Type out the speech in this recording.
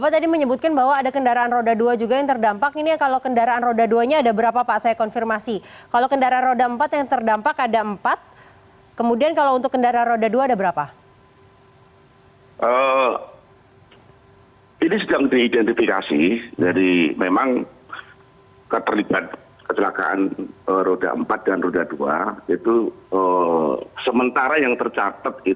baik terima kasih